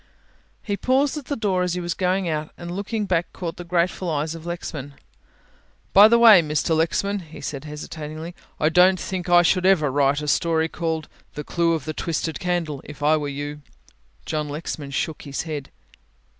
He paused at the door as he was going out and looking back caught the grateful eyes of Lexman. "By the way, Mr. Lexman," he said hesitatingly, "I don't think I should ever write a story called 'The Clue of the Twisted Candle,' if I were you." John Lexman shook his head.